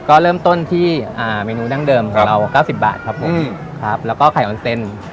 ก็เริ่มต้นที่เมนูดั้งเดิมของเรา๙๐บาทครับผมครับแล้วก็ไข่ออนเซ็น